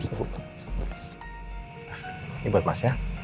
ini buat mas ya